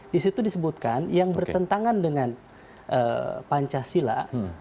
disitu disebutkan yang bertentangan dengan pancasila